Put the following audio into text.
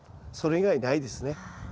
それ以外ないですね。